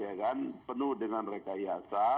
ya kan penuh dengan rekayasa